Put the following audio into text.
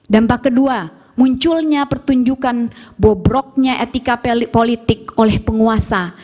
dampak kedua munculnya pertunjukan bobroknya etika politik oleh penguasa